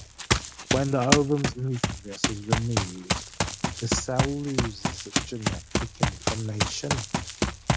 When the ovum's nucleus is removed, the cell loses its genetic information.